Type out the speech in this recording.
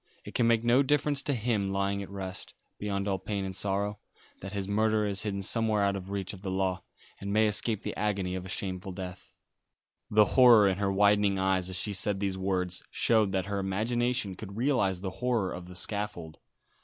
It can make no difference to him lying at rest, beyond all pain and sorrow, that his murderer is hidden somewhere out of reach of the law, and may escape the agony of a shameful death." The horror in her widening eyes as she said these words showed that her imagination could realise the horror of the scaffold.